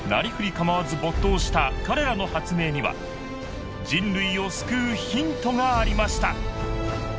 構わず没頭した彼らの発明には人類を救うヒントがありました